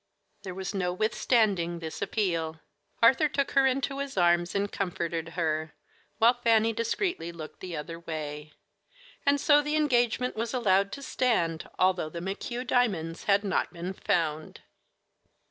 There was no withstanding this appeal. Arthur took her into his arms and comforted her, while Fanny discreetly looked the other way; and so the engagement was allowed to stand, although the McHugh diamonds had not been found.